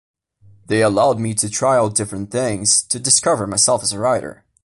They allowed me to try out different things, to discover myself as a writer.